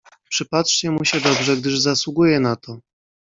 "Przypatrzcie się mu dobrze, gdyż zasługuje na to."